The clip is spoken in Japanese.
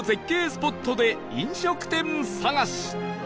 スポットで飲食店探し